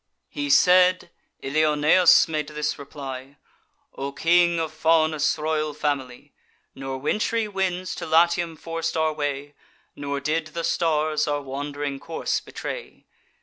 He said. Ilioneus made this reply: "O king, of Faunus' royal family! Nor wintry winds to Latium forc'd our way, Nor did the stars our wand'ring course betray.